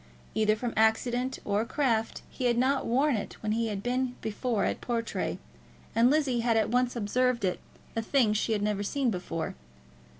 Either from accident or craft he had not worn it when he had been before at Portray, and Lizzie had at once observed it as a thing she had never seen before.